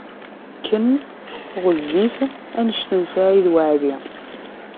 Ken ɣezzif anect n Saɛid Waɛli.